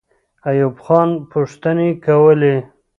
ایوب خان پوښتنې کولې.